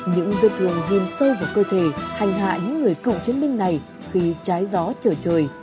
những viên thường ghim sâu vào cơ thể hành hạ những người cựu chiến binh này khi trái gió trở trời